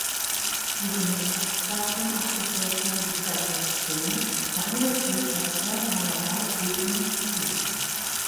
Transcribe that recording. Ihre mit Auszeichnung abgeschlossene Dissertation behandelt die Porträtmalerei Egon Schieles.